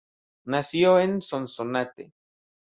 Nació en Sonsonate.